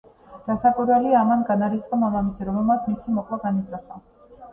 რასაკვირველია, ამან განარისხა მამამისი, რომელმაც მისი მოკვლა განიზრახა.